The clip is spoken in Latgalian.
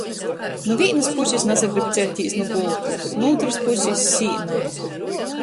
Nu vīnys pusis nasagrib ceļtīs nu gultys, nu ūtrys pusis - sīna...